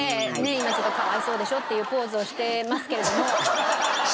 今ちょっと可哀想でしょっていうポーズをしてますけれども。